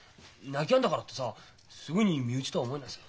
泣きやんだからってさすぐに身内とは思えないさ。